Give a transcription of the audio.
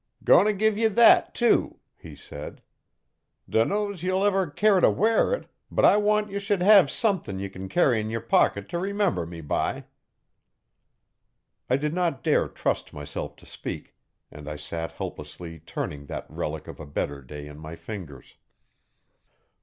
'Goin' t' give ye thet, too,' he said. 'Dunno's ye'll ever care to wear it, but I want ye should hev sumthin' ye can carry'n yer pocket t' remember me by.' I did not dare trust myself to speak, and I sat helplessly turning that relic of a better day in my fingers.